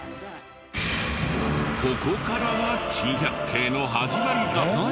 ここからが珍百景の始まりだった。